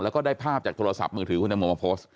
แล้วก็ได้ภาพจากโทรศัพท์มือถือคุณตังโมมาโพสต์